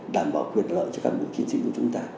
đảm bảo quyền lợi cho các bộ chiến sĩ của chúng ta